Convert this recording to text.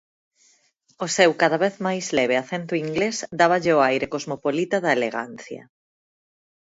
O seu cada vez máis leve acento inglés dáballe o aire cosmopolita da elegancia.